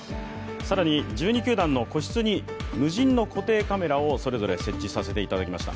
更に１２球団の個室に無人の固定カメラをそれぞれ設置させていただきました。